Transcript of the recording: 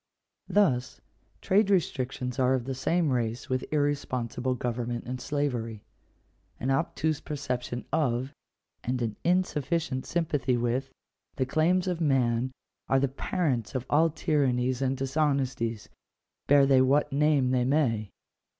Thus, trade restrictions are of the same race with irrespon sible government and slavery. An obtuse perception of, and an insufficient sympathy with, the claims of man, are the parents of all tyrannies and dishonesties, bear they what name they may.